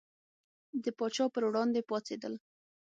د پاچا پر وړاندې پاڅېدل.